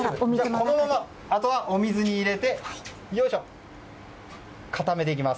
このままあとはお水に入れて固めていきます。